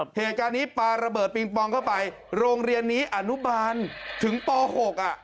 เหตุการณ์นี้ปลาระเบิดปิงปองเข้าไปโรงเรียนนี้อนุบาลถึงป๖อ่ะ